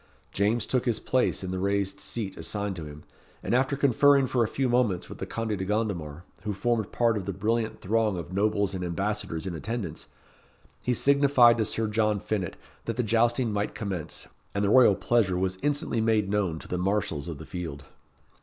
James took his place in the raised seat assigned to him, and after conferring for a few moments with the Conde de Gondomar, who formed part of the brilliant throng of nobles and ambassadors in attendance, he signified to Sir John Finett that the jousting might commence, and the royal pleasure was instantly made known to the marshals of the field.